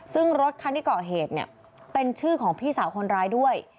ซึ่งรถคันที่เกาะเหตุเนี่ยเป็นชื่อของพี่สาวคนร้ายด้วย